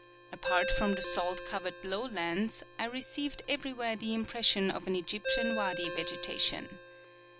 Apart from the salt covered lowlands, I received everywhere the impression of an Egyptian wadi vegetation.